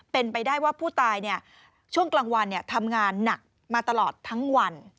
เป็นไปได้ว่าผู้ตายช่วงกลางวันทำงานหนักมาตลอดทั้งวัน